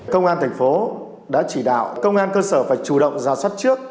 công an thành phố đã chỉ đạo công an cơ sở phải chủ động ra soát trước